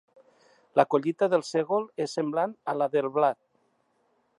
La collita del sègol és semblant a la del blat.